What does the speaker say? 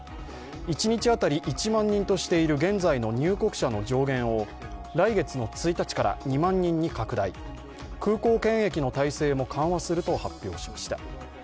一日当たり１万人としている現在の入国者の上限を来月の１日から２万人に拡大、空港検疫の体制も緩和すると発表しました。